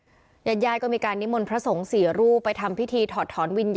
อายุ๖ขวบซึ่งตอนนั้นเนี่ยเป็นพี่ชายมารอเอาน้องชายไปอยู่ด้วยหรือเปล่าเพราะว่าสองคนนี้เขารักกันมาก